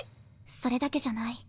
それだけじゃない。